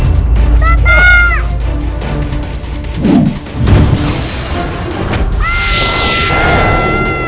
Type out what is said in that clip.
sampai jumpa di tempat lain